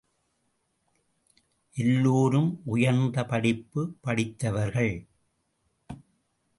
எல்லோரும் உயர்ந்த படிப்பு படித்தவர்கள்.